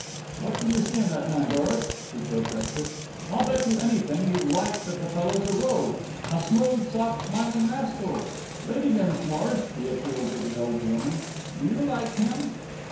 "What can you see in that man, Doris?" he protested. "I'll bet you anything you like that the fellow's a rogue! A smooth, soft smiling rascal! Lady Dinsmore," he appealed to the elder woman, "do you like him?"